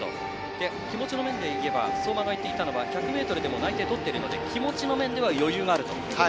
気持ちの面でいえば相馬が言っていたのは１００ｍで内定をとっているので気持ちの面では余裕があると。